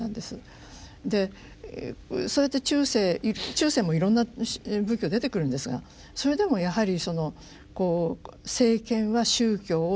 でそうやって中世もいろんな仏教出てくるんですがそれでもやはりそのこう政権は宗教を使い続ける。